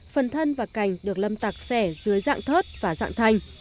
phần thân và cành được lâm tặc xẻ dưới dạng thớt và dạng thành